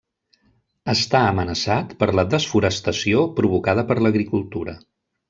Està amenaçat per la desforestació provocada per l'agricultura.